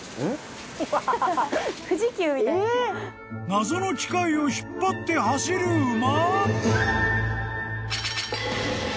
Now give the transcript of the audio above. ［謎の機械を引っ張って走る馬！？］